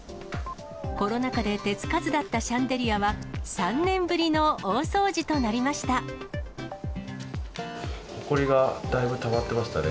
コロナ禍で手付かずだったシャンデリアは、３年ぶりの大掃除となほこりがだいぶたまってましたね。